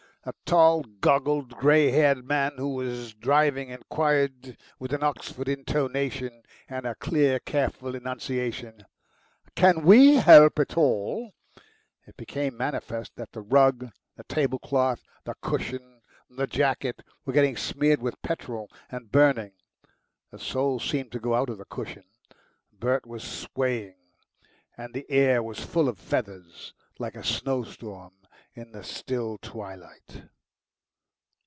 A tall, goggled, grey haired man who was driving inquired with an Oxford intonation and a clear, careful enunciation, "Can WE help at all?" It became manifest that the rug, the table cloth, the cushions, the jacket, were getting smeared with petrol and burning. The soul seemed to go out of the cushion Bert was swaying, and the air was full of feathers, like a snowstorm in the still twilight.